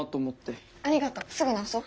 ありがとうすぐ直そう！